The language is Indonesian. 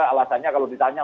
alasannya kalau ditanya